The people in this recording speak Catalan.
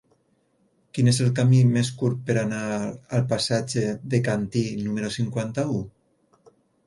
Quin és el camí més curt per anar al passatge de Cantí número cinquanta-u?